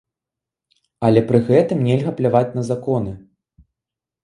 Але пры гэтым нельга пляваць на законы!